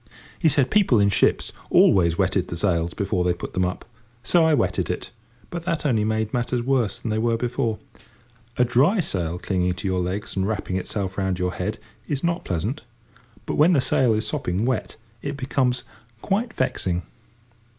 He said people in ships always wetted the sails before they put them up. So I wetted it; but that only made matters worse than they were before. A dry sail clinging to your legs and wrapping itself round your head is not pleasant, but, when the sail is sopping wet, it becomes quite vexing.